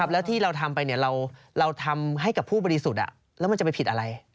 แล้วที่เราทำไปเราทำให้กับผู้บริสุทธิ์แล้วมันจะไปผิดอะไร